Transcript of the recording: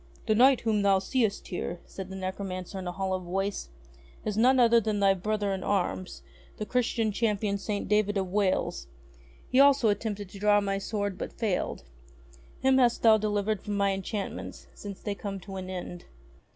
"The Knight whom thou seest here," said the necro mancer in a hollow voice, "is none other than thy brother in arms, the Christian Champion St. David of Wales. He also attempted to draw my sword but failed. Him hast thou delivered from my enchantments since they come to an end."